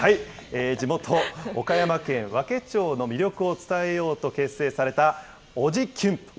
地元岡山県和気町の魅力を伝えようと結成された、おじキュン！